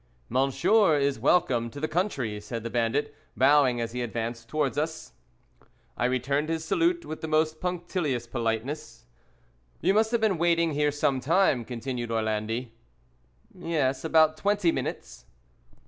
"Monsieur is welcome to the country," said the bandit, bowing as he advanced towards us. I returned his salute with the most punctilious politeness. "You must have been waiting here some time," continued Orlandi. "Yes, about twenty minutes."